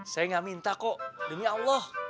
saya nggak minta kok demi allah